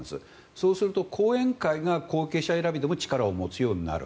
そうすると後援会が後継者選びでも力を持つようになる。